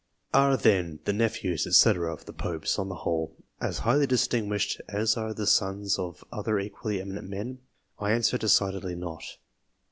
Are, then, the nephews, &c., of the Popes, on the wholu, as highly distinguished as are the sons of other equally eminent men? I answer, decidedly not.